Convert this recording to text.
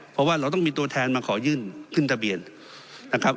เพราะว่าเราต้องมีตัวแทนมาขอยื่นขึ้นทะเบียนนะครับ